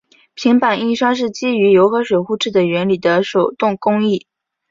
平版印刷是基于油和水互斥的原理的手动工艺。